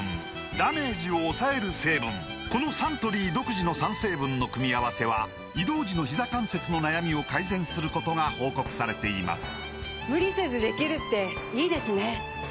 このサントリー独自の３成分の組み合わせは移動時のひざ関節の悩みを改善することが報告されています